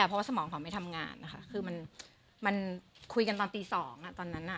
เพราะว่าสมองเขาไม่ทำงานนะคะคือมันคุยกันตอนตี๒ตอนนั้น